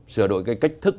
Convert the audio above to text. sửa đổi cách thức